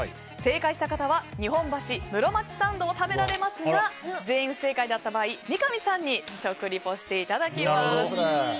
正解した方は日本橋室町サンドを食べられますが全員不正解だった場合三上さんに食リポしていただきます。